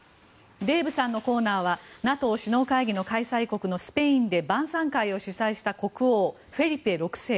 デーブさんのコーナーはＮＡＴＯ首脳会議の開催国のスペインで晩さん会を主催した国王フェリペ６世。